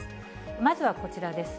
まずはこちらです。